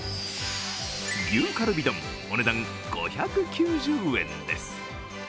牛かるび丼、お値段５９０円です。